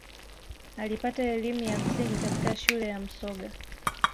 alipata elimu ya msingi katika shule ya msoga